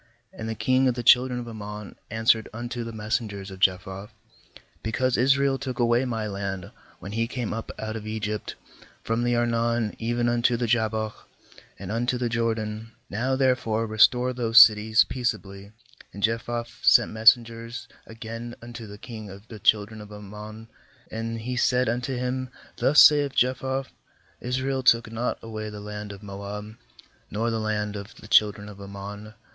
"And the king of the children of Ammon answered unto the messengers of Jephthah: 'Because Israel took away my land, when he came up out of Egypt, from the Arnon even unto the Jabbok, and unto the Jordan; now therefore restore those cities peace ably.' 14And Jephthah sent messen gers again unto the king of the children of Ammon; 16and he said unto him: ' Thus saith Jephthah : Israel took not away the land of Moab, nor the land of the children of Ammon.